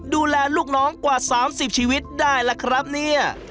ดูแลลูกน้องกว่า๓๐ชีวิตได้ล่ะครับเนี่ย